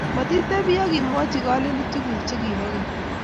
Matitebii akiyomchi kalelutikuk chegibo keny